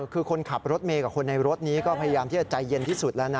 คือคนขับรถเมย์กับคนในรถนี้ก็พยายามที่จะใจเย็นที่สุดแล้วนะ